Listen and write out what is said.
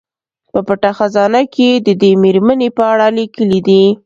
په پټه خزانه کې یې د دې میرمنې په اړه لیکلي دي.